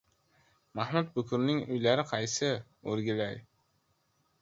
— Mahmud bukurning uylari qaysi, o‘rgilay?